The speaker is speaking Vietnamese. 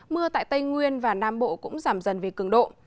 mưa tại tây nguyên và nam bộ cũng giảm dần về cường độ